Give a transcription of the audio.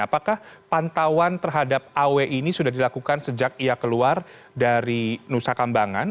apakah pantauan terhadap aw ini sudah dilakukan sejak ia keluar dari nusa kambangan